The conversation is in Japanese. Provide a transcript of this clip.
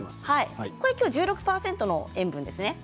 今日１６％の塩分ですね。